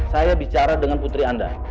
saya bicara dengan putri anda